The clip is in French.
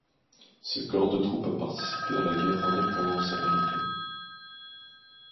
Ce corps de troupes a participé à la guerre d'indépendance américaine.